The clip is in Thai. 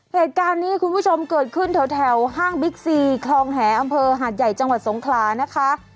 เหตุการณ์นี้คุณผู้ชมเกิดขึ้นแถวห้างบิ๊กซีคลองแหอำเภอหาดใหญ่จังหวัดสงขลานะคะ